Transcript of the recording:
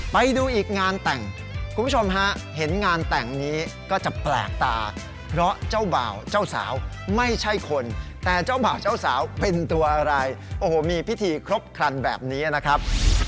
ไปดูอีกงานแต่งคุณผู้ชมฮะเห็นงานแต่งนี้ก็จะแปลกตาเพราะเจ้าบ่าวเจ้าสาวไม่ใช่คนแต่เจ้าบ่าวเจ้าสาวเป็นตัวอะไรโอ้โหมีพิธีครบครันแบบนี้นะครับ